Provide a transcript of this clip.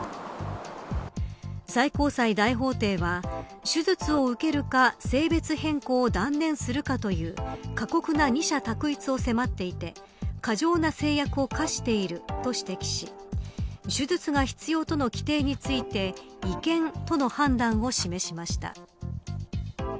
最高裁大法廷は手術を受けるか性別変更を断念するかという過酷な二者択一を迫っていて過剰な制約を課していると指摘し手術が必要との規定について違憲との判断を示しました。